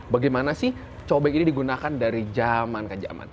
bagaimana sih cobek ini digunakan dari zaman ke zaman